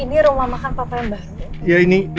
ini rumah makan papa yang baru